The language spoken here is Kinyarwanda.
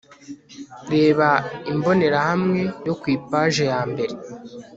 reba imbonerahamwe yo ku ipaji ya mbere